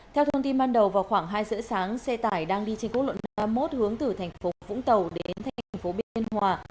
theo thông tin ban đầu vào khoảng hai giờ sáng xe tải đang đi trên quốc lộ năm mươi một hướng từ tp vũng tàu đến tp biên hòa